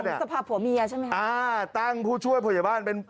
สภาพผัวเมียใช่ไหมคะอ่าตั้งผู้ช่วยผู้ใหญ่บ้านเป็น